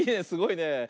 すごいね。